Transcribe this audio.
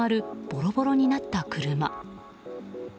ボロボロになった車。